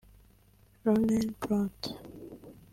Ronen Plot